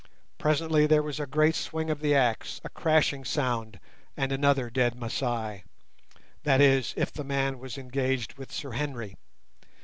Presently there was a great swing of the axe, a crashing sound, and another dead Masai. That is, if the man was engaged with Sir Henry.